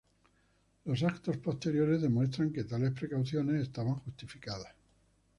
Los eventos posteriores demuestran que tales precauciones estaban justificadas.